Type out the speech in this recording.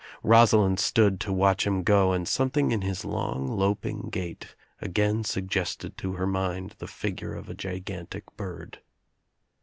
Rosalind stood to watch him go and something In his long loping gait again suggested to her mind the figure of a gigantic . bird.